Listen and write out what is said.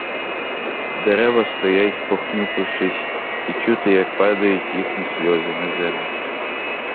Дерева стоять похнюпившись, і чути, як падають їхні сльози на землю.